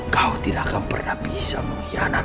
kau tidak akan pernah bisa mengkhianat